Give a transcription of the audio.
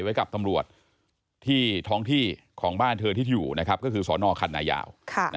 ไว้กับตำรวจที่ท้องที่ของบ้านเธอที่อยู่นะครับก็คือสนคันนายาว